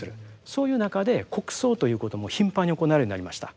そういう中で国葬ということも頻繁に行われるようになりました。